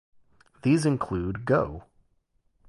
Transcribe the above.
These include Go!